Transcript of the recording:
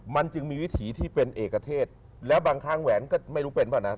มันจึงมีวิถีที่เป็นเอกเทศแล้วบางครั้งแหวนก็ไม่รู้เป็นเปล่านะ